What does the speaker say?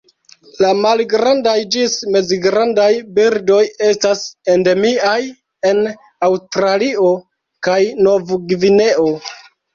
La malgrandaj ĝis mezgrandaj birdoj estas endemiaj en Aŭstralio kaj Nov-Gvineo.